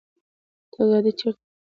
ته ګاډی چرته بوځې؟